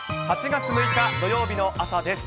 ８月６日土曜日の朝です。